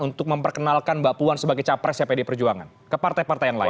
untuk memperkenalkan mbak puan sebagai capresnya pd perjuangan ke partai partai yang lain